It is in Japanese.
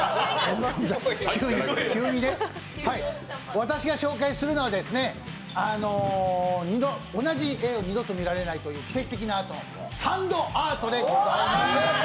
私が紹介するのは、同じ絵を二度と見られないという奇跡的なアート、サンドアートでございます。